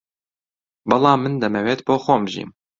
بەڵام من دەمەوێت بۆ خۆم بژیم